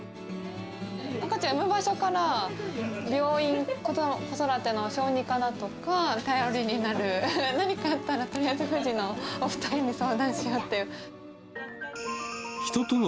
赤ちゃんを産む場所から、病院、子育ての小児科だとか、頼りになる、何かあったらとりあえずふじのお２人に相談しようという。